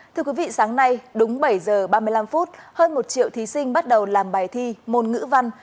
thưa quý vị sáng nay đúng bảy giờ ba mươi năm phút hơn một triệu thí sinh bắt đầu làm bài thi môn ngữ văn